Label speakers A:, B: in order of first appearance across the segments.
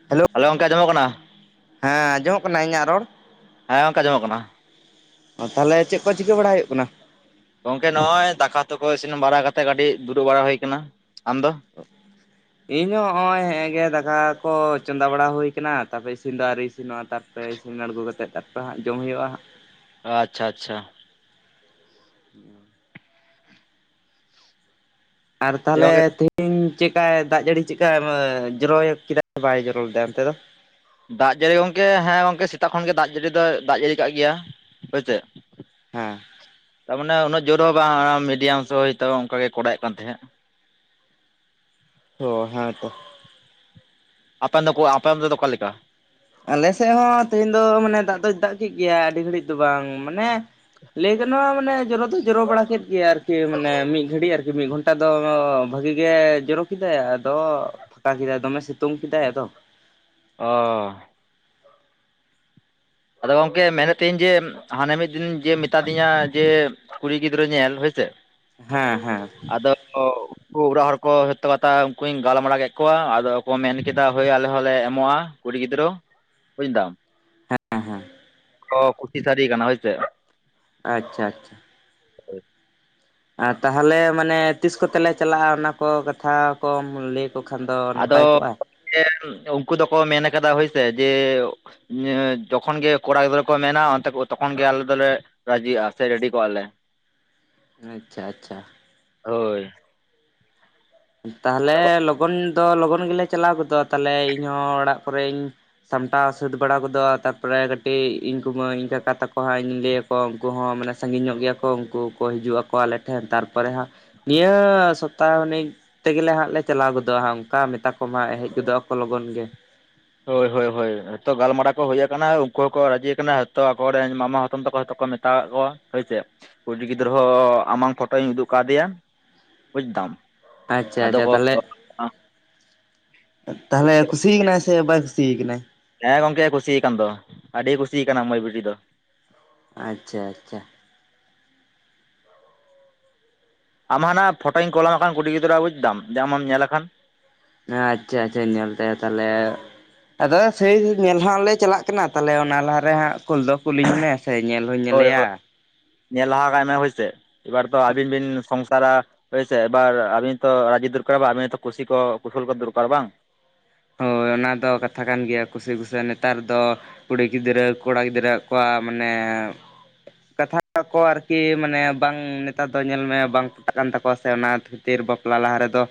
A: Hello
B: hello ᱜᱚᱝᱠᱮ ᱟᱸᱡᱚᱢᱚᱜ ᱠᱟᱱᱟ
A: ᱦᱮᱸ ᱟᱸᱡᱚᱢᱚᱜ ᱠᱟᱱᱟ ᱤᱧᱟᱹᱜ ᱨᱚᱲ
B: ᱦᱮᱸ ᱜᱚᱝᱠᱮ ᱟᱸᱡᱚᱢᱚᱜ ᱠᱟᱱᱟ
A: ᱚ ᱛᱟᱦᱚᱞᱮ ᱪᱮᱫ ᱠᱚ ᱪᱤᱠᱟᱹ ᱵᱟᱲᱟᱟᱭ ᱦᱩᱭᱩᱜ ᱠᱟᱱᱟ
B: ᱜᱚᱝᱠᱮ ᱱᱚᱜᱼᱚᱭ ᱫᱟᱠᱟ ᱩᱛᱩ ᱠᱚ ᱤᱥᱤᱱ ᱵᱟᱲᱟ ᱠᱟᱛᱮᱜ ᱠᱟᱹᱴᱤᱡ ᱫᱩᱲᱩᱵ ᱵᱟᱲᱟ ᱦᱩᱭ ᱟᱠᱟᱱᱟ ᱟᱢ ᱫᱚ
A: ᱚ [unintelligible] ᱤᱧ ᱦᱚᱸ ᱱᱚᱜᱼᱚᱭ ᱦᱮᱸ ᱜᱮ ᱫᱟᱠᱟ ᱠᱚ ᱪᱚᱸᱫᱟ ᱵᱟᱲᱟ ᱦᱩᱭ ᱟᱠᱟᱱᱟ ᱛᱟᱯᱚᱨᱮ ᱤᱥᱤᱱ ᱫᱚ ᱟᱹ ᱤᱥᱤᱱᱚᱜᱼᱟ ᱛᱟᱨᱯᱚᱨᱮ ᱤᱥᱤᱱ ᱟᱬᱜᱚ ᱠᱟᱛᱮᱫ ᱛᱟᱨᱯᱮ ᱦᱟᱸᱜ ᱡᱚᱢ ᱦᱩᱭᱩᱜᱼᱟ ᱦᱟᱸᱜ
B: ᱟᱪᱪᱷᱟ ᱟᱪᱪᱷᱟ
A: ᱦ [unintelligible] ᱟᱨ
B: ᱡᱮ
A: ᱛᱟᱦᱚᱞᱮ
B: ᱜᱚᱝᱠᱮ
A: ᱛᱤᱦᱤᱧ ᱤᱧ ᱪᱮᱫᱠᱟᱭ ᱫᱟᱜ ᱡᱟᱹᱲᱤ ᱪᱮᱫᱠᱟᱭᱢ ᱡᱚᱨᱚᱭ ᱠᱮᱫᱟ ᱵᱟᱭ ᱡᱚᱨᱚ ᱞᱮᱫᱟ ᱚᱱᱛᱮ ᱫᱚ
B: ᱫᱟᱜ ᱡᱟᱹᱲᱤ ᱜᱚᱝᱠᱮ ᱦᱮᱸ ᱜᱚᱝᱠᱮ ᱥᱮᱛᱟᱜ ᱠᱷᱚᱱ ᱜᱮ ᱫᱟᱜ ᱡᱟᱹᱲᱤ ᱫᱚᱭ ᱫᱟᱜ ᱡᱟᱹᱲᱤ ᱠᱟᱜ ᱜᱮᱭᱟ ᱦᱳᱭ ᱥᱮ
A: ᱦᱮᱸ
B: ᱛᱟᱨᱢᱟᱱᱮ ᱩᱱᱟᱹᱜ ᱡᱳᱨ ᱦᱚᱸ ᱵᱟᱝ ᱢᱤᱰᱤᱭᱟᱢ ᱥᱳ ᱦᱚᱭ ᱚᱱᱠᱟᱟᱜ ᱜᱮ ᱠᱚᱨᱟᱣᱮᱫ ᱠᱟᱱ ᱛᱟᱦᱮᱸᱫ
A: ᱚ ᱦᱮᱸ ᱛᱚ
B: ᱟᱯᱮᱱ ᱫᱚᱠᱚ ᱟᱯᱮᱱ ᱫᱚ ᱚᱠᱟ ᱞᱮᱠᱟ
A: ᱟᱞᱮ ᱥᱮᱫ ᱦᱚᱸ ᱛᱮᱦᱮᱧ ᱫᱚ ᱢᱟᱱᱮ ᱫᱟᱜ ᱫᱚᱭ ᱫᱟᱜ ᱠᱮᱫ ᱜᱮᱭᱟ ᱟᱹᱰᱤ ᱜᱷᱟᱹᱲᱤᱡ ᱫᱚ ᱵᱟᱝ ᱢᱟᱱᱮ ᱞᱟᱹᱭ ᱜᱟᱱᱚᱜᱼᱟ ᱢᱟᱱᱮ ᱡᱚᱨᱚ ᱫᱚᱭ ᱡᱚᱨᱚ ᱵᱟᱲᱟ ᱠᱮᱫ ᱜᱮᱭᱟ ᱟᱨᱠᱤ ᱢᱟᱱᱮ ᱢᱤᱫ ᱜᱷᱟᱹᱲᱤᱡ ᱟᱨᱠᱤ ᱢᱤᱫ ᱜᱷᱚᱱᱴᱟ ᱫᱚ ᱵᱷᱟᱹᱜᱤ ᱜᱮ ᱡᱚᱨᱚ ᱠᱮᱫᱟᱭ ᱟᱫᱚ ᱯᱷᱟᱸᱠᱟ ᱠᱮᱫᱟᱭ ᱫᱚᱢᱮ ᱥᱤᱛᱩᱝ ᱠᱮᱫᱟᱭ ᱟᱫᱚ
B: ᱚ ᱟᱫᱚ ᱜᱚᱢᱠᱮ ᱢᱮᱱᱮᱫ ᱛᱟᱦᱮᱧ ᱡᱮ ᱦᱟᱱᱮ ᱢᱤᱫ ᱫᱤᱱ ᱡᱮ ᱢᱮᱛᱟ ᱫᱤᱧᱟ ᱡᱮ ᱠᱩᱲᱤ ᱜᱤᱫᱽᱨᱟᱹ ᱧᱮᱞ ᱦᱳᱭ ᱥᱮ
A: ᱦᱮᱸ ᱦᱮᱸ,
B: ᱚᱻ ᱩᱱᱠᱩ ᱚᱲᱟᱜ ᱦᱚᱲ ᱠᱚ [unintelligible] ᱠᱟᱛᱷᱟ ᱩᱱᱠᱩᱧ ᱜᱟᱞᱢᱟᱨᱟᱣ ᱠᱮᱫ ᱠᱚᱣᱟ ᱟᱫᱚ ᱠᱚ ᱢᱮᱱ ᱠᱮᱫᱟ ᱦᱳᱭ ᱟᱞᱮ ᱦᱚᱸᱞᱮ ᱮᱢᱚᱜᱼᱟ᱾ ᱠᱚᱲᱤ ᱜᱤᱫᱽᱨᱟᱹ ᱵᱩᱡᱷᱫᱟᱢ,
A: ᱦᱮᱸ ᱦᱮᱸ,
B: ᱚ ᱠᱩᱥᱤ ᱥᱟᱨᱤ ᱠᱟᱱᱟ ᱦᱳᱭᱥᱮ᱾
A: ᱟᱪᱪᱷᱟ ᱟᱪᱪᱷᱟ᱾ ᱟᱨ ᱛᱟᱦᱚᱞᱮ ᱢᱟᱱᱮ ᱛᱤᱥ ᱠᱚᱛᱮᱞᱮ ᱪᱟᱞᱟᱜᱼᱟ ᱚᱱᱟ ᱠᱚ ᱠᱟᱛᱷᱟ ᱠᱚᱢ ᱞᱮᱭ ᱛᱚ ᱠᱷᱟᱱ ᱫᱚ
B: ᱟᱫᱚ
A: ᱱᱟᱯᱟᱭ ᱠᱚᱜᱼᱟ᱾
B: ᱩᱱᱠᱩ ᱫᱚᱠᱚ ᱢᱮᱱ ᱠᱟᱫᱟ ᱦᱳᱭᱥᱮ ᱡᱮ ᱡᱚᱠᱷᱚᱱ ᱜᱮ ᱠᱚᱲᱟ ᱜᱤᱫᱽᱨᱟᱹ ᱠᱚ ᱢᱮᱱᱟ ᱚᱱᱛᱮ ᱛᱚᱠᱷᱚᱱ ᱜᱮ ᱟᱞᱮ ᱫᱚᱞᱮ, ᱨᱟᱡᱤ ᱟ ᱥᱮ ᱨᱮᱰᱤ ᱠᱚᱜᱼᱟ ᱞᱮ,
A: ᱟᱪᱪᱷᱟ ᱟᱪᱪᱷᱟ,
B: ᱦᱳᱭ,
A: ᱛᱟᱦᱚᱞᱮ ᱞᱚᱜᱚᱱ ᱫᱚ ᱞᱚᱜᱚᱱ ᱜᱮᱞᱮ ᱪᱟᱞᱟᱣ ᱜᱚᱫᱚᱜ ᱛᱟᱦᱞᱮ ᱤᱧᱦᱚ ᱚᱲᱟᱜ ᱠᱚᱨᱮᱧ ᱥᱟᱢᱴᱟᱣ ᱥᱟᱹᱛ ᱵᱟᱲᱟ ᱜᱚᱫᱚᱜᱼᱟ ᱛᱟᱨᱯᱚᱨᱮ ᱠᱟᱹᱴᱤᱡ ᱤᱧ ᱠᱩᱢᱟᱹᱝ ᱤᱧ ᱠᱟᱠᱟ ᱛᱟᱠᱚ ᱦᱟᱸᱜ ᱤᱧ ᱞᱟᱹ ᱟᱠᱚ ᱠᱚ ᱩᱱᱠᱩ ᱦᱚᱸ ᱢᱟᱱᱮ ᱥᱟᱺᱜᱤᱧ ᱧᱚᱜ ᱜᱮᱭᱟ ᱠᱚ ᱩᱱᱠᱩ ᱠᱚ ᱦᱤᱡᱩᱜ ᱟᱠᱚ ᱟᱞᱮ ᱴᱷᱮᱱ ᱛᱟᱨᱯᱚᱨᱮ ᱦᱟᱸᱜ, ᱱᱤᱭᱟᱹ ᱥᱚᱯᱛᱟᱦᱚ ᱛᱮᱜᱮᱞᱮ ᱦᱟᱸᱜ ᱞᱮ ᱪᱟᱞᱟᱣ ᱜᱚᱫᱚᱜᱼᱟ ᱦᱟᱜ ᱚᱱᱠᱟ ᱢᱮᱛᱟ ᱠᱚᱢ ᱦᱟᱸᱜ ᱦᱮᱡ ᱜᱚᱫᱚᱜ ᱟᱠᱚ ᱞᱚᱜᱚᱱ ᱜᱮ᱾
B: ᱦᱳᱭ ᱦᱳᱭ ᱦᱳᱭ ᱡᱦᱚᱛᱚ ᱜᱟᱞᱢᱟᱨᱟᱣ ᱠᱚ ᱦᱩᱭ ᱟᱠᱟᱱᱟ ᱩᱱᱠᱩ ᱦᱚᱸᱠᱚ ᱨᱟᱡᱤ ᱟᱠᱟᱱᱟ ᱛᱚ ᱟᱠᱚᱨᱮᱱ ᱢᱟᱢᱟ ᱦᱟᱛᱚᱢ ᱛᱟᱠᱚ ᱦᱚᱛᱚ ᱢᱮᱛᱟ [unintelligible] ᱠᱚᱣᱟ ᱦᱳᱭᱥᱮ ᱠᱩᱲᱤ ᱜᱤᱫᱽᱨᱟᱹ ᱦᱚᱸ ᱟᱢᱟᱝ ᱯᱷᱳᱴᱳᱧ ᱩᱫᱩᱜ ᱠᱟᱫᱮᱭᱟ ᱵᱩᱡᱽᱫᱟᱢ,
A: ᱟᱪᱪᱷᱟ ᱟᱪᱪᱷᱟ ᱛᱟᱞᱦᱮ, ᱛᱟᱦᱚᱞᱮ ᱠᱩᱥᱤ ᱠᱟᱱᱟᱭ ᱥᱮ ᱵᱟᱭ ᱠᱩᱥᱤᱭ ᱠᱟᱱᱟᱭ?
B: ᱦᱮᱸ ᱜᱚᱝᱠᱮ ᱠᱩᱥᱤᱭᱟᱠᱟᱱ ᱫᱚ ᱟᱹᱰᱤ ᱠᱩᱥᱤᱭ ᱠᱟᱱᱟ ᱢᱟᱹᱭ ᱵᱤᱴᱤ ᱫᱚ᱾
A: ᱟᱪᱪᱷᱟ ᱟᱪᱪᱷᱟ᱾
B: ᱟᱢᱦᱚ ᱚᱱᱟ ᱯᱷᱳᱴᱳᱧ ᱠᱚᱞᱟᱢ ᱠᱦᱟᱱ ᱠᱩᱲᱤ ᱜᱤᱫᱨᱟᱹ ᱟᱜ ᱵᱩᱡᱽᱫᱟᱢ ᱡᱮ ᱟᱢ ᱧᱮᱞ ᱞᱮ ᱠᱷᱟᱱ
A: ᱦᱮᱸ ᱟᱪᱪᱷᱟ ᱟᱪᱪᱷᱟ ᱧᱮᱞ ᱛᱟᱭᱟ ᱛᱟᱦᱚᱞᱮ᱾ ᱟᱫᱚ ᱥᱮᱭ ᱧᱮᱞ ᱦᱟᱸᱜ ᱞᱮ ᱪᱟᱞᱟᱜ ᱠᱟᱱᱟ ᱛᱟᱦᱚᱞᱮ ᱚᱱᱟ ᱞᱟᱦᱟ ᱨᱮ ᱦᱟᱸᱜ ᱠᱩᱞ ᱫᱚ ᱠᱩᱞᱤᱧ ᱢᱮ᱾ ᱥᱮ ᱧᱮᱞ ᱦᱚᱸᱧ
B: ᱦᱳᱭ
A: ᱧᱮᱞᱮᱭᱟ᱾
B: ᱦᱳᱭ ᱧᱮᱞ ᱞᱟᱦᱟ ᱠᱟᱭ ᱢᱮ ᱦᱳᱭᱥᱮ ᱮᱵᱟᱨ ᱛᱚ ᱟᱹᱵᱤᱱ ᱵᱤᱱ ᱥᱚᱝᱥᱟᱨᱟ᱾ ᱦᱩᱭᱥᱮ ᱮᱵᱟᱨ ᱟᱵᱤᱱ ᱛᱚ ᱨᱟᱡᱤ ᱫᱚᱨᱠᱟᱨᱚ ᱵᱟᱝ ᱟᱵᱤᱱᱛᱚ ᱠᱩᱥᱤ ᱠᱚ ᱠᱩᱥᱟᱹᱞ ᱠᱚ ᱫᱚᱨᱠᱟᱨ ᱵᱟᱝ?
A: ᱦᱳᱭ ᱚᱱᱟ ᱫᱚ ᱠᱟᱛᱷᱟ ᱠᱟᱱ ᱜᱮᱭᱟ ᱠᱩᱥᱤ ᱠᱩᱥᱟᱹᱞ ᱱᱮᱛᱟᱨ ᱫᱚ, ᱠᱩᱲᱤ ᱜᱤᱫᱽᱨᱟᱹ ᱠᱚᱲᱟ ᱜᱤᱫᱽᱨᱟᱹ ᱠᱚᱣᱟᱜ ᱢᱟᱱᱮ ᱠᱟᱛᱷᱟ ᱠᱚ ᱟᱨᱠᱤ ᱢᱟᱱᱮ ᱵᱟᱝ ᱱᱮᱛᱟᱨ ᱫᱚ ᱧᱮᱞ ᱢᱮ ᱵᱟᱝ ᱯᱚᱴᱟᱜ ᱠᱟᱱ ᱛᱟᱠᱚᱣᱟ ᱥᱮ ᱚᱱᱟ ᱠᱷᱟᱹᱛᱤᱨ ᱵᱟᱯᱞᱟ ᱞᱟᱦᱟ ᱨᱮᱫᱚ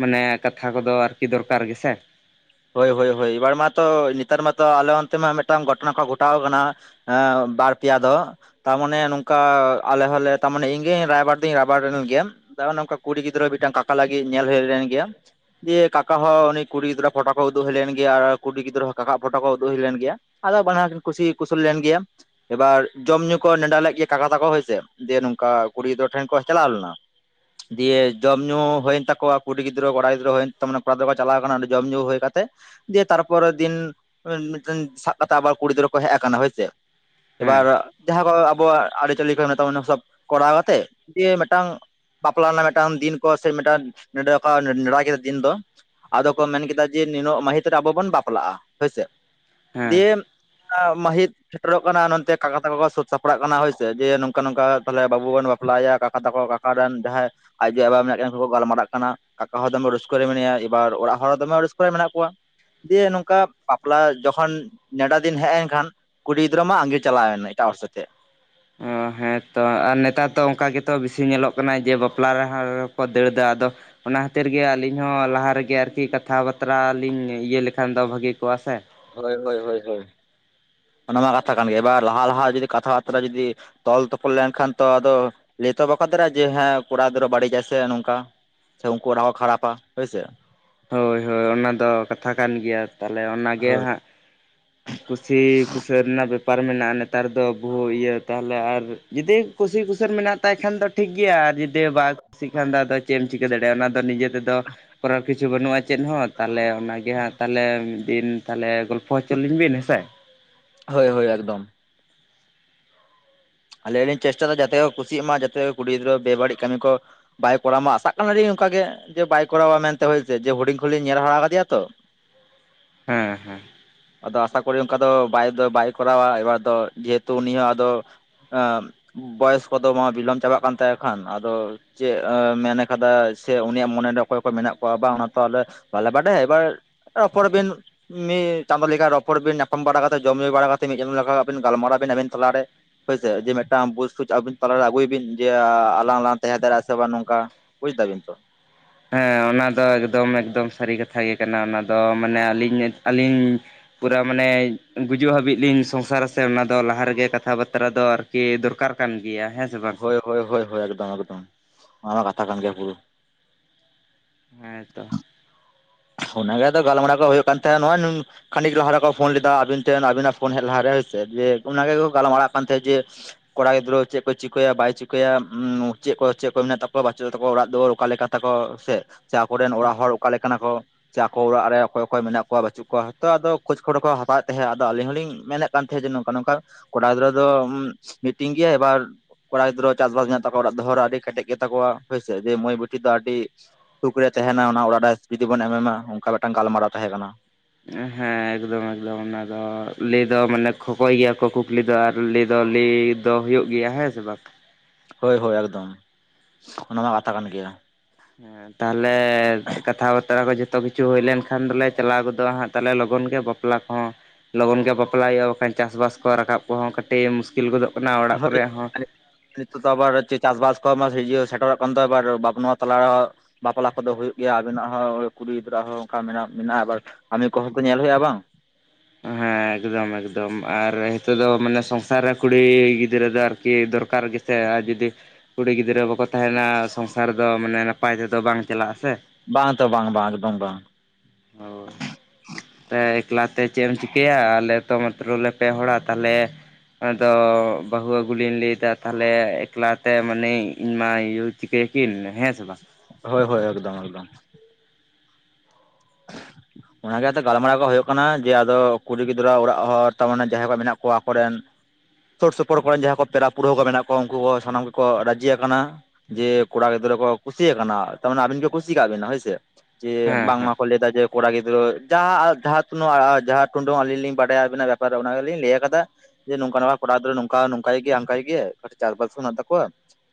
A: ᱢᱟᱱᱮ ᱠᱟᱛᱷᱟ ᱠᱚᱫᱚ ᱟᱨᱠᱤ ᱫᱚᱨᱠᱟᱨ ᱜᱮᱥᱮ᱾
B: ᱦᱳᱭ ᱦᱳᱭ ᱦᱳᱭ ᱮᱵᱟᱨ ᱢᱟᱛᱚ ᱱᱮᱛᱟᱨ ᱢᱟᱛᱚ ᱟᱞᱮ ᱚᱱᱛᱮ ᱢᱟ ᱢᱤᱫᱴᱟᱝ ᱜᱷᱚᱴᱚᱱᱟ ᱠᱚ ᱜᱷᱚᱴᱟᱣ ᱟᱠᱟᱱᱟ᱾ ᱦᱮᱸ ᱵᱟᱨ ᱯᱮᱭᱟ ᱫᱚ, ᱛᱟᱨᱢᱟᱱᱮ ᱱᱚᱝᱠᱟ ᱟᱞᱮ ᱦᱚᱞᱮ ᱛᱟᱨᱢᱟᱱᱮ ᱤᱧ ᱜᱮ ᱨᱟᱭᱵᱟᱨ ᱫᱩᱧ ᱨᱟᱭᱵᱟᱨ ᱞᱮᱱ ᱜᱮᱭᱟ᱾ ᱛᱟᱞᱦᱮ ᱱᱚᱝᱠᱟ ᱠᱩᱲᱤ ᱜᱤᱫᱽᱨᱟᱹ ᱢᱤᱫᱴᱟᱝ ᱠᱟᱠᱟ ᱞᱟᱹᱜᱤᱫ ᱧᱮᱞ ᱦᱩᱭ ᱞᱮᱱ ᱜᱮᱭᱟ ᱫᱤᱭᱮ ᱠᱟᱠᱟ ᱦᱚ ᱩᱱᱤ ᱠᱩᱲᱤ ᱜᱤᱫᱽᱨᱟᱹ ᱯᱷᱳᱴᱳ ᱠᱚ ᱩᱫᱩᱜ ᱦᱩᱭ ᱞᱮᱱ ᱜᱮᱭᱟ ᱟᱨ ᱠᱩᱲᱤ ᱜᱤᱫᱽᱨᱟᱹ ᱦᱚ ᱠᱟᱠᱟ ᱣᱟᱜ ᱯᱷᱳᱴᱳ ᱠᱚ ᱩᱫᱩᱜ ᱦᱩᱭ ᱞᱮᱱ ᱜᱮᱭᱟ, ᱟᱫᱚ ᱵᱟᱱᱟ ᱦᱚᱲ ᱠᱤᱱ ᱠᱩᱥᱤ ᱠᱩᱥᱩᱞ ᱞᱮᱱ ᱜᱮᱭᱟ᱾ ᱮᱵᱟᱨ ᱡᱚᱢ ᱧᱩ ᱠᱚ ᱱᱮᱰᱟ ᱞᱮᱫ ᱜᱮᱭᱟ ᱠᱟᱠᱟ ᱛᱟᱠᱚ ᱦᱚᱭᱥᱮ ᱫᱤᱭᱮ ᱱᱚᱝᱠᱟ ᱠᱩᱲᱤ ᱜᱤᱫᱨᱟᱹ ᱴᱷᱮᱱ ᱠᱚ ᱪᱟᱞᱟᱣ ᱞᱮᱱᱟ, ᱫᱤᱭᱮ ᱡᱚᱢ ᱧᱩ ᱦᱩᱭᱮᱱ ᱛᱟᱠᱚᱣᱟ ᱠᱩᱲᱤ ᱜᱤᱫᱽᱨᱟᱹ ᱠᱚᱲᱟ ᱜᱤᱫᱽᱨᱟᱹ ᱦᱩᱭᱮᱱ ᱛᱟ ᱢᱟᱱᱮ ᱠᱚᱲᱟ ᱫᱚᱠᱚ ᱠᱚ ᱪᱟᱞᱟᱣ ᱟᱠᱟᱱᱟ, ᱡᱚᱢ ᱧᱩ ᱦᱩᱭ ᱠᱟᱛᱮᱜ, ᱫᱤᱭᱮ ᱛᱟᱨᱯᱚᱨ ᱫᱤᱱ ᱢᱤᱫᱴᱟᱝ ᱥᱟᱵ ᱠᱟᱛᱮᱜ ᱟᱵᱟᱨ ᱠᱩᱲᱤᱫᱨᱟᱹ ᱠᱚ ᱦᱮᱡ ᱟᱠᱟᱱᱟ ᱦᱳᱭᱥᱮ᱾
A: ᱦᱮᱸ
B: ᱮᱵᱟᱨ ᱡᱟᱦᱟᱸ ᱠᱚ ᱟᱵᱚᱣᱟᱜ ᱟᱹᱨᱤᱪᱟᱞᱤ ᱠᱚ ᱦᱮᱱᱟᱜ ᱛᱟᱵᱚᱱᱟ ᱥᱚᱵ ᱠᱚᱨᱟᱣ ᱠᱟᱛᱮᱜ ᱫᱤᱭᱮ ᱢᱤᱫᱴᱟᱝ ᱵᱟᱯᱞᱟ ᱨᱮᱱᱟᱜ ᱢᱤᱫᱴᱟᱝ ᱫᱤᱱ ᱠᱚ ᱥᱮ ᱢᱤᱫᱴᱟᱝ ᱱᱮᱰᱟ ᱠᱚ ᱱᱮᱰᱟ ᱠᱮᱫᱟ ᱫᱤᱱ ᱫᱚ, ᱟᱫᱚ ᱠᱚ ᱢᱮᱱ ᱠᱮᱫᱟ ᱡᱮ ᱱᱤᱱᱟᱹᱜ ᱢᱟᱹᱦᱤᱛ ᱨᱮ ᱟᱵᱚ ᱵᱚᱱ ᱵᱟᱯᱞᱟᱜᱼᱟ ᱦᱳᱭᱥᱮ
A: ᱦᱮᱸ
B: ᱫᱤᱭᱮ ᱢᱟᱹᱦᱤᱛ ᱥᱮᱴᱮᱨᱚᱜ ᱠᱟᱱᱟ ᱱᱚᱛᱮ ᱠᱟᱠᱟ ᱛᱟᱠᱚ ᱠᱚ ᱥᱟᱹᱛ ᱥᱟᱯᱲᱟᱜ ᱠᱟᱱᱟ ᱦᱳᱭ ᱥᱮ ᱡᱮ ᱱᱚᱝᱠᱟ ᱱᱚᱝᱠᱟ ᱛᱟᱦᱞᱮ ᱵᱟᱹᱵᱩ ᱵᱚᱱ ᱵᱟᱯᱞᱟᱭᱮᱭᱟ ᱠᱟᱠᱟ ᱛᱟᱠᱚ ᱠᱚ ᱨᱮᱱ ᱡᱟᱦᱟᱸᱭ ᱟᱡ ᱭᱩ ᱵᱟᱵᱟ ᱢᱮᱱᱟᱜ ᱠᱤᱱᱟᱹ ᱩᱱᱠᱩ ᱠᱚ ᱜᱟᱞᱢᱟᱨᱟᱜ ᱠᱟᱱᱟ ᱠᱟᱠᱟ ᱦᱚᱸ ᱫᱚᱢᱮ ᱨᱟᱹᱥᱠᱟᱹ ᱨᱮ ᱢᱮᱱᱟᱭᱟ ᱮᱵᱟᱨ ᱚᱲᱟᱜ ᱦᱚᱲ ᱦᱚᱸ ᱫᱚᱢᱮ ᱨᱟᱹᱥᱠᱟᱹ ᱨᱮ ᱢᱮᱱᱟᱜ ᱠᱚᱣᱟ ᱫᱤᱭᱮ ᱱᱚᱝᱠᱟ ᱵᱟᱯᱞᱟ ᱡᱚᱠᱷᱚᱱ ᱱᱮᱰᱟ ᱫᱤᱱ ᱦᱮᱡ ᱮᱱ ᱠᱷᱟᱱ ᱠᱩᱲᱤ ᱜᱤᱫᱨᱟᱹ ᱢᱟ ᱟᱺᱜᱤᱨ ᱪᱟᱞᱟᱣ ᱮᱱᱟᱭ ᱮᱴᱟᱜ ᱦᱚᱲ ᱥᱟᱶᱛᱮ
A: ᱚ ᱦᱮᱸ ᱛᱚ ᱟᱨ ᱱᱮᱛᱟᱨ ᱫᱚ ᱚᱱᱠᱟ ᱜᱮᱛᱚ ᱵᱤᱥᱤ ᱧᱮᱞᱚᱜ ᱠᱟᱱᱟ ᱡᱮ ᱵᱟᱯᱞᱟ ᱨᱮᱦᱚᱸ ᱠᱚ ᱫᱟᱹᱲ ᱫᱟ ᱟᱫᱚ ᱚᱱᱟ ᱠᱷᱟᱹᱛᱤᱨ ᱜᱮ ᱟᱹᱞᱤᱧ ᱦᱚᱸ ᱞᱟᱦᱟ ᱨᱮᱜᱮ ᱟᱨᱠᱤ ᱠᱟᱛᱷᱟ ᱵᱟᱛᱨᱟ ᱞᱤᱧ ᱤᱭᱟᱹ ᱞᱮᱠᱷᱟᱱ ᱫᱚ ᱵᱷᱟᱹᱜᱤ ᱠᱚᱜᱼᱟ ᱥᱮ
B: ᱦᱳᱭ ᱦᱳᱭ ᱦᱳᱭ ᱦᱳᱭ ᱚᱱᱟᱢᱟ ᱠᱟᱛᱷᱟ ᱠᱟᱱ ᱜᱮ, ᱮᱵᱟᱨ ᱞᱟᱦᱟ ᱞᱟᱦᱟ ᱡᱩᱫᱤ ᱠᱟᱛᱷᱟ ᱵᱟᱨᱛᱨᱟ ᱡᱩᱫᱤ ᱛᱚᱞ ᱛᱚᱯᱚᱞ ᱞᱮᱱᱠᱷᱟᱱ ᱛᱚ ᱟᱫᱚ ᱞᱟᱹᱭ ᱛᱚ ᱵᱟᱠᱚ ᱫᱟᱲᱮᱭᱟᱜᱼᱟ ᱡᱮ ᱦᱮᱸ ᱠᱚᱲᱟ ᱜᱤᱫᱽᱨᱟᱹ ᱵᱟᱹᱲᱤᱡᱟᱭ ᱥᱮ ᱱᱚᱝᱠᱟ ᱥᱮ ᱩᱝᱠᱩ ᱚᱲᱟᱜ ᱦᱚᱲ ᱠᱚ ᱠᱷᱟᱨᱟᱯᱟ ᱦᱳᱭ ᱥᱮ
A: ᱦᱳᱭ ᱦᱳᱭ ᱦᱳᱭ, ᱚᱱᱟ ᱫᱚ ᱠᱟᱛᱷᱟ ᱠᱟᱱ ᱜᱮᱭᱟ ᱛᱟᱦᱞᱮ ᱚᱱᱟᱜᱮ
B: ᱦᱳᱭ
A: ᱦᱟᱸᱜ ᱠᱩᱥᱤ ᱠᱩᱥᱟᱹᱞ ᱨᱮᱱᱟᱜ ᱵᱮᱯᱟᱨ ᱢᱮᱱᱟᱜᱼᱟ ᱱᱮᱛᱟᱨ ᱫᱚ ᱵᱩᱦᱩ ᱤᱭᱟᱹ ᱛᱟᱦᱚᱞᱮ ᱟᱨ ᱡᱩᱫᱤ ᱠᱩᱥᱤ ᱠᱩᱥᱟᱹᱞ ᱢᱮᱱᱟᱜ ᱛᱟᱭ ᱠᱷᱟᱱ ᱫᱚ ᱴᱷᱤᱠ ᱜᱮᱭᱟ ᱟᱨ ᱡᱩᱫᱤ ᱵᱟᱭ ᱠᱩᱥᱤᱜ ᱠᱷᱟᱱ ᱫᱚ ᱟᱫᱚ ᱪᱮᱫ ᱮᱢ ᱪᱤᱠᱟᱹ ᱫᱟᱲᱮᱭᱟᱜᱼᱟ ᱚᱱᱟ ᱫᱚ ᱱᱤᱡᱮ ᱛᱮᱫᱚ ᱠᱚᱨᱟᱨ ᱠᱤᱪᱷᱩ ᱵᱟᱹᱱᱩᱜᱼᱟ ᱪᱮᱫ ᱦᱚᱸ ᱛᱟᱦᱞᱮ ᱚᱱᱟ ᱜᱮ ᱦᱟᱸᱜ ᱛᱟᱦᱞᱮ ᱢᱤᱫ ᱫᱤᱱ ᱛᱟᱦᱞᱮ ᱜᱚᱞᱯᱷᱚ ᱦᱚᱪᱚ ᱞᱤᱧ ᱵᱤᱱ ᱦᱮᱸ ᱥᱮ
B: ᱦᱳᱭ ᱦᱳᱭ ᱮᱠᱫᱚᱢ ᱟᱞᱮ ᱦᱚᱞᱤᱧ ᱪᱮᱥᱴᱟ ᱫᱟ ᱡᱟᱛᱮ ᱠᱚ ᱠᱩᱥᱤᱜ ᱢᱟ ᱡᱟᱛᱮ ᱠᱩᱲᱤ ᱜᱤᱫᱽᱨᱟᱹ ᱵᱮᱼᱵᱟᱹᱲᱤᱡ ᱠᱟᱹᱢᱤ ᱠᱚ ᱵᱟᱭ ᱠᱚᱨᱟᱣ ᱢᱟ ᱟᱥᱟᱜ ᱠᱟᱱᱟᱞᱤᱧ ᱚᱝᱠᱟ ᱜᱮ ᱡᱮ ᱵᱟᱭ ᱠᱚᱨᱟᱣᱟ ᱢᱮᱱᱛᱮ ᱦᱳᱭ ᱥᱮ ᱡᱮ ᱦᱩᱰᱤᱧ ᱠᱷᱚᱱ ᱞᱤᱧ ᱧᱮᱞ ᱦᱟᱨᱟ ᱠᱟᱫᱮᱭᱟ ᱛᱚ
A: ᱦᱮᱸ ᱦᱮᱸ
B: ᱟᱫᱚ ᱟᱥᱟ ᱠᱚᱨᱤ ᱚᱝᱠᱟ ᱫᱚ ᱵᱟᱭ ᱫᱚ ᱵᱟᱭ ᱠᱚᱨᱟᱣᱟ ᱮᱵᱟᱨ ᱫᱚ ᱡᱮᱦᱮᱛᱩ ᱩᱱᱤ ᱦᱚᱸ ᱟᱫᱚ ᱵᱚᱭᱚᱥ ᱠᱚᱫᱚ ᱵᱟᱝ ᱵᱤᱞᱚᱢ ᱪᱟᱵᱟᱜ ᱠᱟᱱ ᱛᱟᱭᱟ ᱠᱷᱟᱱ ᱟᱫᱚ ᱪᱮᱫ ᱢᱮᱱ ᱠᱟᱫᱟᱭ ᱥᱮ ᱩᱱᱤᱭᱟᱜ ᱢᱚᱱᱮ ᱨᱮ ᱚᱠᱚᱭ ᱚᱠᱚᱭ ᱢᱮᱱᱟᱜ ᱠᱚᱣᱟ ᱵᱟᱝ ᱚᱱᱟ ᱛᱚ ᱟᱞᱮ ᱵᱟᱞᱮ ᱵᱟᱰᱟᱭᱟ ᱮᱵᱟᱨ ᱨᱚᱯᱚᱲ ᱵᱤᱱ ᱢᱤᱫ ᱪᱟᱸᱫᱚ ᱞᱮᱠᱟ ᱨᱚᱯᱚᱲ ᱵᱤᱱ ᱧᱟᱯᱟᱢ ᱵᱟᱲᱟ ᱠᱟᱛᱮᱫ ᱡᱚᱢ ᱧᱩ ᱵᱟᱲᱟ ᱠᱟᱛᱮᱫ ᱢᱤᱫ ᱪᱟᱸᱫᱚ ᱞᱮᱠᱟ ᱟᱵᱤᱱ ᱜᱟᱞᱢᱟᱨᱟᱣ ᱵᱤᱱ ᱟᱵᱤᱱ ᱛᱟᱞᱟ ᱨᱮ ᱦᱳᱭ ᱥᱮ ᱡᱮ ᱢᱤᱫᱴᱟᱝ ᱵᱩᱡ ᱥᱩᱡ ᱟᱵᱤᱱ ᱛᱟᱞᱟ ᱨᱮ ᱟᱹᱜᱩᱭ ᱵᱤᱱ ᱡᱮ ᱟᱞᱟᱝ ᱞᱟᱝ ᱛᱟᱦᱮᱸ ᱫᱟᱲᱮᱭᱟᱜᱼᱟ ᱥᱮ ᱵᱟᱝ ᱱᱚᱝᱠᱟ ᱵᱩᱡ ᱫᱟᱵᱤᱱ ᱛᱚ
A: ᱦᱮᱸ ᱚᱱᱟ ᱫᱚ ᱮᱠᱫᱚᱢ ᱮᱠᱫᱚᱢ ᱥᱟᱹᱨᱤ ᱠᱟᱛᱷᱟ ᱜᱮ ᱠᱟᱱᱟ ᱚᱱᱟ ᱫᱚ ᱢᱟᱱᱮ ᱟᱹᱞᱤᱧ ᱟᱹᱞᱤᱧ ᱯᱩᱨᱟᱹ ᱢᱟᱱᱮ ᱜᱩᱡᱩᱜ ᱦᱟᱹᱵᱤᱡ ᱞᱤᱧ ᱥᱚᱝᱥᱟᱨᱟ ᱥᱮ ᱚᱱᱟ ᱫᱚ ᱞᱟᱦᱟ ᱨᱮᱜᱮ ᱠᱟᱛᱷᱟ ᱵᱟᱛᱨᱟ ᱫᱚᱨ ᱠᱤ ᱫᱚᱨᱠᱟᱨ ᱠᱟᱱ ᱜᱮᱭᱟ ᱦᱮᱸ ᱥᱮ ᱵᱟᱝ
B: ᱦᱳᱭ ᱦᱳᱭ ᱦᱳᱭ ᱦᱳᱭ ᱮᱠᱫᱚᱢ ᱮᱠᱫᱚᱢ ᱚᱱᱟ ᱫᱚ ᱠᱟᱛᱷᱟ ᱠᱟᱱ ᱜᱮᱭᱟ ᱯᱩᱨᱟᱹ
A: ᱦᱮᱸ ᱛᱚ
B: ᱚᱱᱟᱜᱮ ᱟᱫᱚ ᱜᱟᱞᱢᱟᱨᱟᱣ ᱠᱚ ᱦᱩᱭᱩᱜ ᱠᱟᱱ ᱛᱟᱸᱦᱮᱱ ᱱᱚᱜᱼᱚᱭ ᱱᱩᱱ ᱠᱷᱟᱹᱱᱤᱠ ᱞᱟᱦᱟ ᱨᱮᱠᱚ ᱯᱷᱳᱱ ᱞᱮᱫᱟ ᱟᱵᱤᱱ ᱴᱷᱮᱱ ᱟᱵᱤᱱᱟᱜ ᱯᱷᱳᱱ ᱦᱮᱡ ᱞᱟᱦᱟ ᱨᱮ ᱦᱳᱭ ᱥᱮ ᱡᱮ ᱚᱱᱟ ᱜᱮᱠᱚ ᱜᱟᱞᱢᱟᱨᱟᱜ ᱠᱟᱱ ᱛᱟᱦᱮᱸᱫ ᱡᱮ ᱠᱚᱲᱟ ᱜᱤᱫᱽᱨᱟᱹ ᱪᱮᱫ ᱠᱚᱭ ᱪᱤᱠᱟᱹᱭᱟ ᱵᱟᱭ ᱪᱤᱠᱟᱹᱭᱟ ᱪᱮᱫ ᱠᱚ ᱪᱮᱫ ᱠᱚ ᱢᱮᱱᱟᱜ ᱛᱟᱠᱚᱣᱟ ᱵᱟᱪᱚ ᱛᱟᱠᱚᱣᱟ ᱚᱲᱟᱜ ᱫᱩᱣᱟᱹᱨ ᱚᱠᱟ ᱞᱮᱠᱟ ᱛᱟᱠᱚ ᱥᱮ ᱥᱮ ᱟᱠᱚᱨᱮᱱ ᱚᱲᱟᱜ ᱦᱚᱲ ᱚᱠᱟ ᱞᱮᱠᱟᱱᱟ ᱠᱚ ᱥᱮ ᱟᱠᱚ ᱚᱲᱟᱜ ᱨᱮ ᱚᱠᱚᱭ ᱚᱠᱚᱭ ᱢᱮᱱᱟᱜ ᱠᱚᱣᱟ ᱵᱟᱪᱩᱜ ᱠᱚᱣᱟ ᱟᱫᱚ ᱟᱫᱚ ᱠᱷᱚᱡᱽ ᱠᱷᱚᱵᱚᱨ ᱠᱚ ᱦᱟᱛᱟᱣᱮᱫ ᱛᱟᱦᱮᱸᱫ ᱟᱫᱚ ᱟᱞᱤᱧ ᱦᱚᱞᱤᱧ ᱢᱮᱱᱮᱫ ᱠᱟᱱ ᱛᱟᱦᱮᱸᱫ ᱡᱮ ᱱᱚᱝᱠᱟ ᱱᱚᱝᱠᱟ ᱠᱚᱲᱟ ᱜᱤᱫᱽᱨᱟᱹ ᱫᱚ ᱢᱤᱴᱤᱝ ᱜᱮᱭᱟ ᱮᱵᱟᱨ ᱠᱚᱲᱟ ᱜᱤᱫᱽᱨᱟᱹᱣᱟᱜ ᱪᱟᱥᱵᱟᱥ ᱢᱮᱱᱟᱜ ᱛᱟᱠᱚᱣᱟ ᱚᱲᱟᱜ ᱫᱚᱦᱚ ᱟᱹᱰᱤ ᱠᱮᱴᱮᱡ ᱜᱮᱛᱟ ᱠᱚᱣᱟ ᱦᱳᱭ ᱥᱮ ᱫᱤᱭᱮ ᱢᱟᱹᱭ ᱵᱤᱴᱤ ᱫᱚ ᱟᱹᱰᱤ ᱥᱩᱠ ᱨᱮᱭ ᱛᱮᱸᱦᱮᱱᱟ ᱚᱱᱟ ᱚᱲᱟᱜ ᱨᱮ ᱡᱩᱫᱤ ᱵᱚᱱ ᱮᱢᱮ ᱢᱟ ᱚᱝᱠᱟ ᱢᱤᱫᱴᱟᱝ ᱜᱟᱞᱢᱟᱨᱟᱣ ᱛᱟᱦᱮᱸ ᱠᱟᱱᱟ
A: ᱦᱮᱸ ᱮᱠᱫᱚᱢ ᱮᱠᱫᱚᱢ ᱚᱱᱟ ᱫᱚ ᱞᱟᱹᱭ ᱫᱚ ᱢᱟᱱᱮ ᱠᱷᱚᱠᱚᱭ ᱜᱮᱭᱟ ᱠᱚ ᱠᱩᱠᱞᱤ ᱫᱚ ᱟᱨ ᱞᱟᱹᱭ ᱫᱚ ᱞᱟᱹᱭ ᱫᱚ ᱦᱩᱭᱩᱜ ᱜᱮᱭᱟ ᱦᱮᱸ ᱥᱮ ᱵᱟᱝ
B: ᱦᱳᱭ ᱦᱳᱭ ᱮᱠᱫᱚᱢ ᱚᱱᱟ ᱢᱟ ᱠᱟᱛᱷᱟ ᱠᱟᱱ ᱜᱮᱭᱟ
A: ᱦᱮᱸ ᱛᱟᱦᱞᱮ ᱠᱟᱛᱷᱟ ᱵᱟᱛᱨᱟ ᱠᱚ ᱡᱚᱛᱚ ᱠᱤᱪᱷᱩ ᱦᱩᱭ ᱞᱮᱱᱠᱷᱟᱱ ᱫᱚᱞᱮ ᱪᱟᱞᱟᱣ ᱜᱚᱫᱚᱜᱼᱟ ᱦᱟᱸᱜ ᱛᱟᱦᱞᱮ ᱞᱚᱜᱚᱱ ᱜᱮ ᱵᱟᱯ ᱵᱟᱯᱞᱟ ᱠᱚᱦᱚᱸ ᱞᱚᱜᱚᱱ ᱜᱮ ᱵᱟᱯᱞᱟ ᱦᱩᱭᱩᱜᱼᱟ ᱵᱟᱠᱷᱟᱱ ᱪᱟᱥᱼᱵᱟᱥ ᱠᱚ ᱨᱟᱠᱟᱵ ᱠᱚᱦᱚᱸ ᱠᱟᱹᱴᱤᱡ ᱢᱩᱥᱠᱤᱞ ᱜᱚᱫᱚᱜ ᱠᱟᱱᱟ ᱚᱲᱟᱜ ᱠᱚᱨᱮ
B: ᱦᱳᱭᱛᱳ
A: ᱦᱚᱸ
B: ᱛᱟᱦᱞᱮ ᱱᱤᱛᱚᱜ ᱫᱚ ᱟᱵᱟᱨ ᱪᱮᱫ ᱪᱟᱥᱵᱟᱥ ᱠᱚᱢᱟ ᱤᱭᱟᱹ ᱥᱮᱴᱮᱨᱚᱜ ᱠᱟᱱ ᱛᱚ ᱮᱵᱟᱨ ᱵᱟᱯᱞᱟ ᱛᱟᱞᱟ ᱨᱮᱦᱚᱸ ᱵᱟᱯᱞᱟ ᱠᱚᱫᱚ ᱦᱩᱭᱩᱜ ᱜᱮᱭᱟ ᱟᱵᱮᱱᱟᱜ ᱦᱚᱸ ᱠᱩᱲᱤ ᱜᱤᱫᱽᱨᱟᱹ ᱟᱜ ᱦᱚᱸ ᱚᱝᱠᱟ ᱢᱮᱱᱟᱜ ᱢᱮᱱᱟᱜ ᱟᱵᱟᱨ ᱠᱟᱹᱢᱤ ᱠᱚᱦᱚᱸ ᱛᱚ ᱧᱮᱞ ᱦᱩᱭᱩᱜᱼᱟ ᱵᱟᱝ
A: ᱦᱮᱸ ᱮᱠᱫᱚᱢ ᱮᱠᱫᱚᱢ ᱟᱨ ᱦᱤᱸᱛᱚᱜ ᱫᱚ ᱢᱟᱱᱮ ᱥᱚᱝᱥᱟᱨ ᱨᱮ ᱠᱩᱲᱤ ᱜᱤᱫᱽᱨᱟᱹ ᱫᱚ ᱟᱨᱠᱤ ᱫᱚᱨᱠᱟᱨ ᱜᱮ ᱥᱮ ᱟᱨ ᱡᱩᱫᱤ ᱠᱩᱲᱤ ᱜᱤᱫᱽᱨᱟᱹ ᱵᱟᱠᱚ ᱛᱟᱸᱦᱮᱱᱟ ᱥᱚᱝᱥᱟᱨ ᱫᱚ ᱢᱟᱱᱮ ᱱᱟᱯᱟᱭ ᱛᱮᱫᱚ ᱵᱟᱝ ᱪᱟᱞᱟᱜᱼᱟ ᱥᱮ
B: ᱵᱟᱝ ᱫᱚ ᱵᱟᱝ - ᱵᱟᱝ ᱫᱚ ᱵᱟᱝ
A: ᱦᱳᱭ ᱮᱠᱞᱟ ᱛᱮ ᱪᱮᱫᱽ ᱮᱢ ᱪᱤᱠ ᱴᱷᱤᱠᱟᱹᱭᱟ ᱟᱞᱮ ᱛᱚ ᱢᱟᱛᱨ ᱞᱮ ᱯᱮ ᱦᱚᱲᱟ ᱛᱟᱦᱚᱞᱮ᱾ ᱟᱫᱚ ᱵᱟᱹᱦᱩ ᱟᱹᱜᱩᱞᱤᱧ ᱞᱟᱹᱭᱫᱟ ᱛᱟᱦᱚᱞᱮ ᱮᱠᱞᱟᱛᱮ ᱢᱟᱱᱮ ᱤᱧᱢᱟ ᱤᱭᱩᱛ ᱪᱤᱠᱟᱹᱭᱟᱠᱤᱱ ᱦᱮᱸ ᱥᱮ ᱵᱟᱝ
B: ᱦᱳᱭᱻ ᱦᱳᱭ ᱮᱠᱫᱚᱢᱻ ᱮᱠᱫᱚᱢ᱾
A: [inaudible]
B: ᱚᱱᱟᱜᱮ ᱜᱟᱞᱢᱟᱨᱟᱣ ᱠᱚ ᱦᱩᱭᱩᱜ ᱠᱟᱱᱟ ᱡᱮ ᱟᱫᱚ ᱠᱩᱲᱤ ᱜᱤᱫᱽᱨᱟᱹ ᱚᱲᱟᱜ ᱦᱚᱲ ᱛᱟᱨᱢᱟᱱᱮ ᱡᱟᱦᱟᱸᱭ ᱠᱚ ᱢᱮᱱᱟᱜ ᱠᱚᱣᱟ ᱟᱠᱚᱨᱮᱱ ᱥᱩᱨ ᱻᱥᱩᱯᱩᱨ ᱠᱚᱨᱮᱱ ᱡᱟᱦᱟᱸᱭ ᱠᱚ ᱯᱮᱲᱟ ᱯᱩᱨᱦᱟᱹ ᱠᱚ ᱢᱮᱱᱟᱜ ᱠᱚᱣᱟ ᱩᱱᱠᱩ ᱥᱟᱱᱟᱢ ᱜᱮᱠᱚ ᱨᱟᱹᱡᱤ ᱟᱠᱟᱱᱟ᱾ ᱡᱮ ᱠᱚᱲᱟ ᱜᱤᱫᱽᱨᱟᱹ ᱠᱚ ᱠᱩᱥᱤ ᱟᱭᱠᱟᱱᱟ ᱛᱟᱨᱢᱟᱱᱮ ᱟᱵᱤᱱ ᱜᱮ ᱠᱩᱥᱤ ᱠᱟᱜ ᱵᱤᱱᱟ ᱦᱳᱭᱥᱮ ᱡᱮ
A: ᱦᱮᱸ ᱦᱮᱸ
B: ᱵᱟᱝᱢᱟ ᱞᱟᱹᱭ ᱫᱟ ᱡᱮ ᱠᱚᱲᱟ ᱜᱤᱫᱽᱨᱟᱹ ᱡᱟᱦᱟᱸ ᱡᱟᱦᱟᱸ ᱛᱤᱱᱟᱹᱜ ᱡᱟᱦᱟᱸ ᱴᱩᱰᱩᱝ ᱟᱹᱞᱤᱧ ᱞᱤᱧ ᱵᱟᱰᱟᱭᱟ ᱟᱵᱤᱱᱟᱜ ᱵᱮᱯᱟᱨ ᱚᱱᱟ ᱜᱮᱞᱤᱧ ᱞᱟᱹᱭ ᱠᱟᱫᱟ ᱡᱮ ᱱᱚᱝᱠᱟ ᱱᱚᱝᱠᱟ ᱠᱚᱲᱟ ᱜᱤᱫᱽᱨᱟᱹ ᱱᱚᱝᱠᱟ ᱱᱚᱝᱠᱟᱭ ᱜᱮᱭᱟᱭ ᱦᱟᱱᱠᱟᱭ ᱜᱮᱭᱟᱭ ᱪᱟᱥ ᱵᱟᱥ ᱢᱮᱱᱟᱜ ᱛᱟᱠᱚᱣᱟ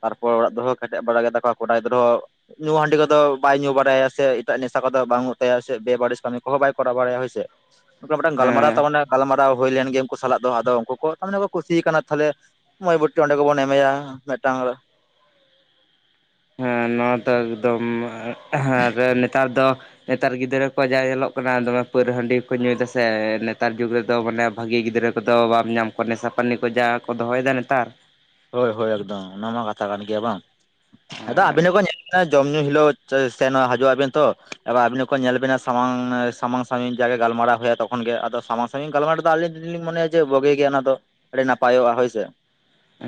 B: ᱛᱟᱨᱯᱚᱨ ᱚᱲᱟᱜ ᱠᱦᱚᱸ ᱠᱮᱴᱮᱡ ᱵᱟᱲᱟ ᱜᱮᱛᱟᱟ ᱠᱚᱣᱟ ᱠᱚᱲᱟᱟᱭ ᱜᱤᱫᱨᱦᱚᱸ ᱧᱩ ᱦᱟᱺᱰᱤ ᱠᱚᱫᱚ ᱵᱟᱭ ᱧᱩ ᱵᱟᱲᱟᱭᱟ ᱥᱮ ᱮᱴᱟᱜ ᱱᱮᱥᱟ ᱠᱚᱫᱚ ᱵᱟᱝ᱾ ᱭᱟᱜ ᱥᱮ ᱵᱮ ᱵᱟᱨᱤᱥ ᱥᱟᱱᱤᱠ ᱠᱚ ᱦᱚᱸᱦᱚᱭ ᱥᱮ᱾ ᱢᱤᱫᱴᱟᱝ ᱜᱟᱞᱢᱟᱨᱟᱣ ᱛᱟ
A: ᱦᱮᱸ
B: ᱜᱟᱞᱢᱟᱨᱟᱣ ᱦᱩᱭ ᱞᱮᱱ ᱜᱮᱭᱟ ᱩᱱᱠᱩ ᱥᱟᱞᱟᱜ ᱫᱚ ᱟᱫᱚ ᱩᱱᱠᱩ ᱠᱚ ᱛᱟᱨᱢᱚᱱᱮ ᱠᱚ ᱠᱩᱥᱤ ᱠᱟᱱᱟ ᱛᱟᱦᱚᱞᱮ᱾ ᱢᱚᱭ ᱵᱩᱴᱤ ᱚᱸᱰᱮ ᱜᱮᱵᱚᱱ ᱮᱢᱮᱭᱟ ᱢᱤᱫᱴᱟᱝ
A: ᱱᱚᱣᱟ ᱫᱚ ᱮᱠᱫᱚᱢ ᱟᱨ ᱱᱮᱛᱟᱨ ᱫᱚ ᱱᱮᱛᱟᱨ ᱜᱤᱫᱽᱨᱟᱹ ᱠᱚᱣᱟᱜ ᱡᱟ ᱧᱮᱞᱚᱜ ᱠᱟᱱᱟ ᱫᱚᱢᱮ ᱯᱟᱩᱨᱟ ᱦᱟᱺᱰᱤ ᱠᱚ ᱧᱩ ᱭᱮᱫᱟ ᱥᱮ ᱱᱮᱛᱟᱨ ᱡᱩᱜᱽ ᱨᱮᱫᱚ ᱢᱟᱱᱮ ᱵᱷᱟᱹᱜᱤ ᱜᱤᱫᱽᱨᱟᱹ ᱠᱚᱫᱚ ᱵᱟᱢ ᱧᱟᱢ ᱠᱚᱣᱟ ᱱᱮᱥᱟᱯᱟᱱᱤ ᱠᱚ ᱡᱟ ᱠᱚ ᱫᱚᱦᱚᱭᱮᱫᱟ ᱱᱮᱛᱟᱨ
B: ᱦᱳᱭ -ᱦᱳᱭ ᱮᱠᱫᱚᱢ ᱚᱱᱟ ᱢᱟ ᱠᱟᱛᱷᱟ ᱠᱟᱱ ᱜᱮᱭᱟ ᱵᱟᱝ ᱟᱫᱚ ᱟᱵᱤᱱ
A: ᱦᱮᱸ
B: ᱦᱚᱸᱠᱚ ᱧᱮᱞ ᱡᱚᱢ ᱧᱩ ᱦᱤᱞᱳᱜ ᱥᱮᱱ ᱦᱤᱡᱩᱜ ᱟᱵᱤᱱ ᱛᱚ ᱮᱟᱨ ᱟᱵᱤᱱ ᱦᱚᱸ ᱠᱚ ᱧᱮᱞ ᱵᱮᱱᱟ ᱥᱟᱢᱟᱝ - ᱥᱟᱢᱟᱝ ᱥᱟᱜᱤᱧ ᱡᱟᱜᱮ ᱜᱟᱞᱢᱟᱨᱟᱣ ᱯᱮ ᱛᱚᱠᱷᱚᱱ ᱜᱮ ᱟᱫᱚ ᱥᱟᱢᱟᱝ ᱥᱟᱜᱤᱧ ᱜᱟᱞᱢᱟᱣ ᱟᱞᱤᱧ ᱛᱮᱜᱮ ᱞᱤᱧ ᱢᱚᱱᱮᱭᱟ ᱡᱮ ᱵᱚᱜᱤ ᱜᱮᱭᱟ ᱚᱱᱟ ᱫᱚ ᱟᱹᱰᱤ ᱱᱟᱯᱟᱭᱚᱜᱼᱟ ᱦᱳᱭ ᱥᱮ᱾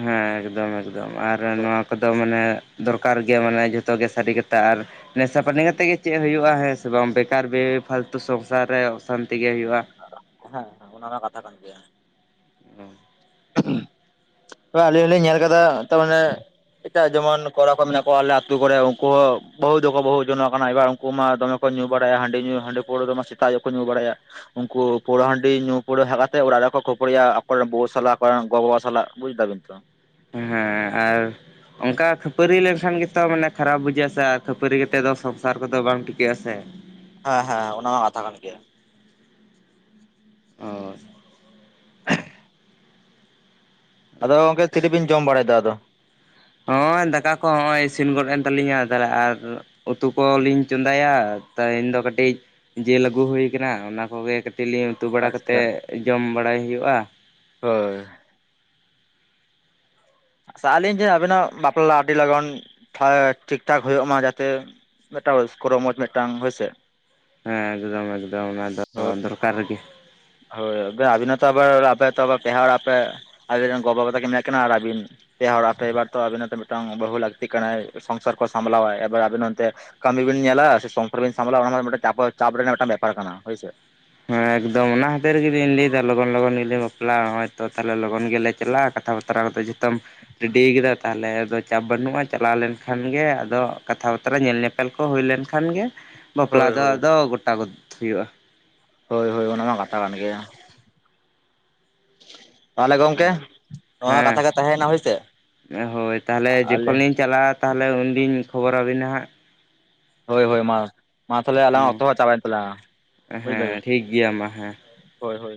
A: ᱦᱮᱸ ᱮᱠᱫᱚᱢ ᱮᱠᱫᱚᱢ ᱟᱨ ᱱᱚᱣᱟ ᱠᱚᱫᱚ ᱢᱟᱱᱮ ᱫᱚᱨᱠᱟᱨ ᱜᱮᱭᱟ ᱢᱟᱱᱮ ᱡᱚᱛᱚ ᱜᱮ ᱥᱟᱹᱨᱤ ᱠᱟᱛᱦᱟ ᱟᱨ ᱱᱮᱥᱟᱯᱟᱱᱤ ᱠᱟᱛᱮᱜ ᱜᱮ ᱪᱮᱫ ᱦᱩᱭᱩᱜᱼᱟ ᱦᱮᱸ ᱥᱮ ᱵᱟᱝ ᱵᱮᱠᱟᱨ ᱯᱷᱟᱞᱛᱩ ᱥᱚᱝᱥᱟᱨ ᱨᱮ ᱚᱥᱟᱱᱛᱤ ᱜᱮ ᱦᱩᱭᱩᱜᱼᱟ
B: ᱟᱫᱚ ᱦᱮᱸ ᱦᱮᱸ ᱚᱱᱟ ᱢᱟ ᱠᱟᱛᱷᱟ ᱠᱟᱱ ᱜᱮᱭᱟ
A: [unintelligible]
B: ᱟᱞᱤᱧ ᱦᱚᱸ ᱞᱤᱧ ᱧᱮᱞ ᱠᱟᱫᱟ ᱛᱟᱨᱢᱟᱱᱮ ᱮᱴᱟᱜ ᱡᱮᱢᱚᱱ ᱠᱚᱲᱟ ᱠᱚ ᱢᱮᱱᱟᱜ ᱠᱚᱣᱟ ᱟᱞᱮ ᱟᱛᱳ ᱠᱚᱨᱮ ᱩᱱᱠᱩ ᱦᱚᱸ ᱵᱟᱹᱦᱩ ᱫᱚᱠᱚ ᱵᱟᱹᱦᱩ ᱡᱚᱱᱚᱜ ᱟᱠᱟᱱᱟ ᱮᱵᱟᱨ ᱩᱱᱠᱩ ᱢᱟ ᱫᱚᱢᱮ ᱠᱚ ᱠᱚ ᱧᱩ ᱵᱟᱲᱟᱭᱟ ᱦᱟᱺᱰᱤ ᱧᱩ ᱦᱟᱺᱰᱤ ᱯᱟᱹᱣᱨᱟ ᱨᱮ ᱢᱟ ᱥᱮᱛᱟᱜ ᱟᱭᱩᱜᱽ ᱠᱚ ᱧᱩ ᱵᱟᱲᱟᱭᱟ ᱩᱱᱠᱩ ᱯᱩᱣᱨᱟᱹ ᱦᱟᱺᱰᱤ ᱧᱩ ᱯᱳᱨᱮ ᱦᱮᱡ ᱠᱟᱛᱮᱮᱫ ᱚᱲᱟᱜ ᱨᱮᱠᱚ ᱠᱷᱟᱯᱲᱤᱭᱟ ᱟᱠᱚ ᱨᱮᱱ ᱵᱟᱦᱩ ᱥᱟᱞᱟᱜᱼᱟ᱾ ᱚᱠᱚᱟᱨᱮᱱ ᱜᱚ ᱵᱟᱻᱵᱟ ᱥᱟᱞᱟᱜ ᱵᱩᱡᱽ ᱫᱟᱵᱤᱱ ᱛᱚ
A: ᱦᱮᱸ ᱟᱨ ᱚᱱᱠᱟ ᱠᱷᱟᱹᱯᱟᱹᱨᱤ ᱞᱮᱱᱠᱷᱟᱱ ᱜᱮᱛᱚ ᱢᱟᱱᱮ ᱠᱷᱟᱨᱟᱯ ᱵᱩᱡᱷᱟᱹᱜ ᱟ ᱥᱮ ᱟᱨ ᱠᱷᱟᱹᱯᱟᱹᱨᱤ ᱠᱟᱛᱮᱫ ᱫᱚ ᱥᱚᱝᱥᱟᱨ ᱠᱚᱫᱚ ᱵᱟᱝ ᱴᱤᱠᱟᱹᱜᱼᱟ ᱥᱮ
B: ᱦᱟᱸ -ᱦᱟᱸ ᱚᱱᱟ ᱦᱚᱸᱠᱟᱛᱷᱟ ᱠᱟᱱ ᱜᱮᱭᱟ᱾
A: ᱚ
B: ᱟᱫᱚ ᱜᱚᱢᱠᱮ ᱛᱤ ᱨᱮ ᱵᱤᱱ ᱡᱚᱢ ᱵᱟᱲᱟᱭᱮᱫᱟ ᱟᱫᱚ᱾
A: ᱦᱚᱸᱜᱼᱚᱭ ᱫᱟᱠᱟ ᱠᱚ ᱦᱚᱸᱜᱼᱚᱭ ᱤᱥᱤᱱ ᱜᱚᱫ ᱮᱱ ᱛᱟᱹᱟᱞᱤᱧᱜᱼᱟ ᱟᱹᱞ ᱫᱟᱲᱮ ᱟᱨ ᱩᱛᱩ ᱠᱚᱞᱤᱧ ᱪᱚᱸᱫᱟᱭᱟ ᱛᱮᱦᱤᱱ ᱫᱚ ᱠᱟᱹᱴᱤᱡ ᱡᱤᱞ ᱟᱹᱜᱩ ᱦᱩᱭ ᱠᱟᱱᱟ ᱚᱱᱟ ᱠᱚᱜᱮ ᱠᱟᱹᱴᱤᱡ ᱞᱤᱧ ᱩᱛᱩ ᱵᱟᱲᱟ
B: ᱟᱪᱪᱷᱟ
A: ᱠᱟᱛᱮᱫ ᱡᱚᱢ ᱵᱟᱲᱟᱭ ᱦᱩᱭᱩᱜᱼᱟ
B: ᱦᱳᱭ ᱟᱹᱥᱟ ᱟᱹᱞᱤᱧ ᱡᱮ ᱟᱵᱤᱱᱟᱜ ᱵᱟᱯᱞᱟ ᱟᱹᱰᱤ ᱞᱚᱜᱚᱱ ᱴᱷᱤᱠ ᱻᱴᱷᱟᱠ ᱦᱩᱭᱩᱜ ᱢᱟ ᱡᱟᱛᱮ ᱢᱤᱫᱴᱟᱝ ᱨᱟᱥᱠᱟᱹ ᱨᱚᱢᱚᱡ ᱢᱤᱫᱴᱟᱝ ᱦᱳᱭᱥᱮ
A: ᱦᱮᱸ ᱮᱠᱫᱚᱢ- ᱮᱠᱫᱚᱢ ᱟᱫᱚ
B: ᱦᱳᱭ
A: ᱫᱚᱨᱠᱟᱨ ᱨᱮ ᱜᱮ
B: ᱦᱳᱭ ᱟᱵᱤᱱ ᱦᱚᱸᱛᱚ ᱟᱵᱮᱱ ᱟᱯᱚ ᱟ ᱯᱮᱲᱟ ᱚᱲᱟᱜᱮ ᱟᱵᱤᱱ ᱨᱮᱱ ᱜᱚ ᱵᱟ-ᱵᱟ ᱛᱟᱠᱚ ᱠᱤᱱ ᱦᱮᱜ ᱠᱟᱱᱟ ᱟᱹᱵᱤᱱ ᱯᱮ ᱦᱚᱲ ᱯᱮ ᱮᱵᱟᱨ ᱛᱚ ᱟᱵᱤᱱ ᱟᱜ ᱢᱤᱫᱴᱟᱝ ᱵᱟᱹᱦᱩ ᱞᱟᱹᱠᱛᱤ ᱠᱟᱱᱟᱭ ᱥᱚᱝᱥᱟᱨ ᱠᱚ ᱥᱟᱢᱵᱞᱟᱟᱭ ᱮᱵᱟᱨ ᱟᱵᱤᱱ ᱱᱚᱱᱛᱮ ᱠᱟᱹᱢᱤ ᱵᱤᱱ ᱧᱮᱞᱟ ᱥᱮ ᱥᱚᱝᱥᱟᱨ ᱵᱤᱱ ᱥᱟᱢᱵᱞᱟ ᱚᱱᱟ ᱢᱤᱫ ᱪᱟ ᱪᱟᱯ ᱨᱮᱱᱟᱜ ᱢᱤᱫᱴᱟᱝ ᱵᱮᱯᱟᱨ ᱠᱟᱱᱟ ᱦᱳᱭᱥᱮ
A: ᱦᱮᱸ ᱮᱠᱫᱚᱢ ᱚᱱᱟ ᱦᱚᱛᱮᱫ ᱨᱮᱜᱮᱞᱤᱧ ᱞᱟᱹᱭ ᱮᱟ ᱞᱚᱜᱚᱱ- ᱞᱚᱜᱚᱱ ᱜᱮᱞᱤ ᱧᱜ ᱵᱟᱯᱞᱟᱼᱟ ᱦᱳ ᱛᱚ ᱛᱟᱦᱮ ᱞᱚᱜᱚᱱ ᱜᱮᱞᱮ ᱪᱟᱞᱟᱜᱼᱟ ᱠᱟᱛᱷᱟ [unintelligible] ᱨᱮᱰᱤᱭ ᱠᱟᱫᱟ ᱛᱟᱦᱚᱞᱮ ᱟᱫᱚ ᱪᱟᱯ ᱵᱟᱹᱱᱩᱜ-ᱟ ᱪᱟᱞᱟᱣ ᱞᱮᱱᱠᱷᱟᱱ ᱜᱮ ᱟᱫᱚ ᱠᱟᱛᱷᱟ ᱵᱟᱛᱨᱟ ᱧᱮᱞ ᱧᱮᱯ ᱮᱞ ᱠᱚ ᱦᱩᱭ ᱞᱮᱱ ᱠᱷᱟᱱ ᱜᱮ ᱵᱟᱯᱞᱟ
B: ᱦᱳᱭ
A: ᱫᱚ
B: ᱦᱳᱭ
A: ᱟᱫᱚ ᱜᱚᱴᱟ ᱜᱚᱫᱷ ᱦᱩᱭᱩᱜᱼᱟ ᱾
B: ᱦᱳᱭ ᱦᱳᱭ ᱚᱱᱟᱢᱟ ᱠᱟᱛᱷᱟ ᱠᱟᱱ ᱜᱮᱭᱟ ᱾ ᱛᱟᱦᱚᱞᱮ ᱜᱚᱝᱠᱮ
A: ᱚ
B: ᱱᱚᱣᱟ
A: ᱦᱮᱸ
B: ᱠᱟᱛᱷᱟ ᱜᱮ ᱛᱟᱦᱮᱸᱭᱮᱱᱟ ᱦᱳᱭᱥᱮ
A: ᱦᱳᱭ ᱛᱟᱦᱚᱞᱮ
B: ᱟᱞᱮ
A: ᱡᱚᱠᱷᱚᱱ ᱞᱤᱧ ᱪᱟᱞᱟᱜᱼᱟ ᱛᱟᱦᱚᱞᱮ ᱩᱱᱫᱤᱧ ᱠᱷᱚᱵᱚᱨ ᱟᱵᱤᱱᱟ ᱦᱟᱸᱜ
B: ᱦᱳᱭ ᱦᱳᱭ ᱢᱟ ᱢᱟ ᱛᱟᱦᱞᱮ ᱟᱞᱟᱝ
A: ᱦᱟᱸᱜ᱾
B: ᱚᱠᱛᱚ ᱦᱟ ᱪᱟᱵᱟᱭᱮᱱ ᱛᱟᱞᱟᱝ-ᱟ, ᱵᱩᱡ ᱫᱮᱵᱮᱱ
A: ᱦᱮᱸ ᱴᱷᱤᱠ ᱜᱮᱭᱟ ᱢᱟ ᱦᱮᱸ᱾
B: ᱾ ᱦᱳᱭ ᱦᱳᱭ